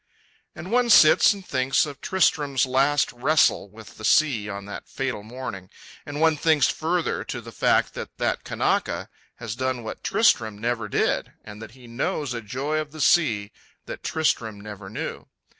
And one sits and thinks of Tristram's last wrestle with the sea on that fatal morning; and one thinks further, to the fact that that Kanaka has done what Tristram never did, and that he knows a joy of the sea that Tristram never knew.